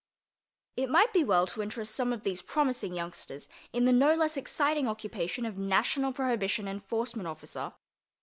It might be well to interest some of these promising youngsters in the no less exciting occupation of National Prohibition Enforcement Officer.